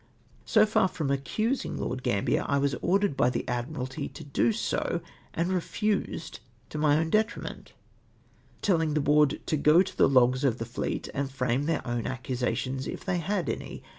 So far from accusing Lord Gambier, / icas ordered by the Adiniralty to do so^ and refused, to my own de triment* ; telhng the Board to go to the logs of the fleet., and frame their oini aecusations, if they had any.